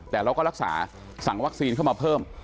แต่เราก็รักษาสั่งวัคซีนเข้ามาเพิ่ม